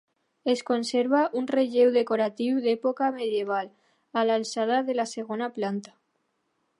Es conserva un relleu decoratiu d'època medieval a l'alçada de la segona planta.